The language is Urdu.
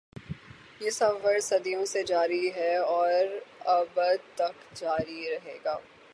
یہ سفر صدیوں سے جاری ہے اور ابد تک جاری رہے گا۔